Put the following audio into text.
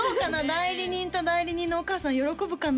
代理人と代理人のお母さん喜ぶかな？